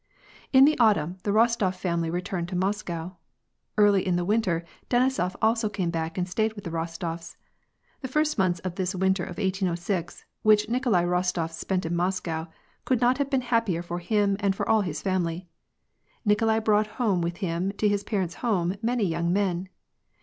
In the autumn, the Rostof family returned to Moscow. Early in the winter, Denisof also came back and stayed with the Rostofs. The first months of this winter of 1806, which Nikolai Rostof spent in Moscow, could not have been hi^pier for him and for all his family. Nikolai brought home with him to his parents' home many young men.